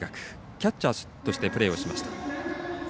キャッチャーとしてプレーをしました。